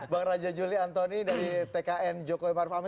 bang raja juli antoni dari tkn jokowi marufami